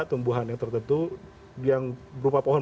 tumbuhan yang tertentu yang berupa pohon